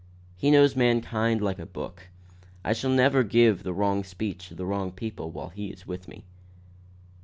He knows mankind like a book. I shall never give the wrong speech to the wrong people while he is with me."